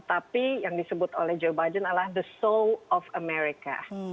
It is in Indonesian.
tapi yang disebut oleh joe biden adalah the soul of america